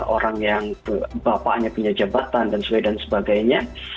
orang yang bapaknya punya jabatan dan sebagainya